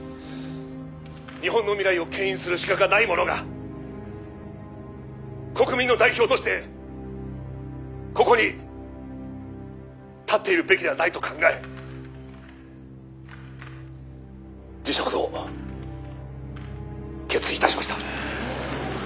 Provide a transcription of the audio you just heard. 「日本の未来を牽引する資格がない者が国民の代表としてここに立っているべきではないと考え辞職を決意致しました」